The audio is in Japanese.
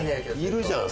いるじゃん。